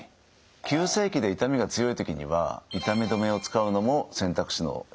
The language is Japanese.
急性期で痛みが強い時には痛み止めを使うのも選択肢の一つです。